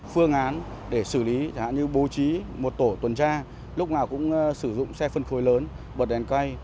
phương án để xử lý chẳng hạn như bố trí một tổ tuần tra lúc nào cũng sử dụng xe phân khối lớn bật đèn cay